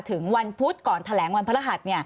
ถึงวันพุธก่อนแถลงวันพระรหัส